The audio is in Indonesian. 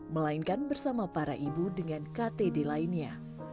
melainkan bersama para ibu dengan ktd lainnya